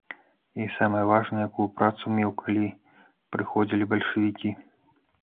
І самае важнае, якую працу меў, калі прыходзілі бальшавікі.